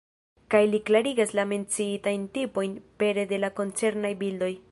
Kaj li klarigas la menciitajn tipojn pere de la koncernaj bildoj.